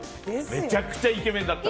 めちゃくちゃイケメンだったら。